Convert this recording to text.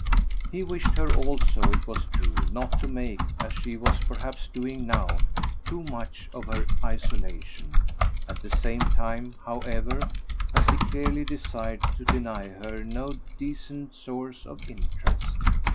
He wished her also, it was true, not to make, as she was perhaps doing now, too much of her isolation; at the same time, however, as he clearly desired to deny her no decent source of interest.